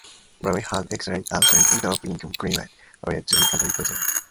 Providence has experienced a significant drop in crime, attributed by some to community policing.